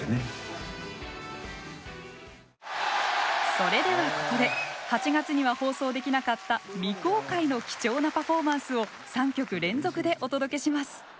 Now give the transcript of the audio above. それではここで８月には放送できなかった未公開の貴重なパフォーマンスを３曲連続でお届けします！